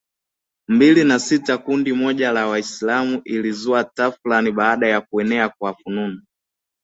mbili na sita kundi moja la Wiaslamu lilizua tafrani baada ya kuenea kwa fununu